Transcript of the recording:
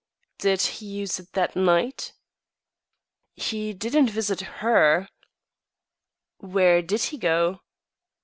"Did he use it that night?" "He didn't visit her" "Where did he go?"